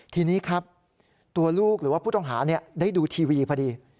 ทีนี้ครับตัวลูกหรือว่าผู้ต้องหาได้ดูทีวีพอดี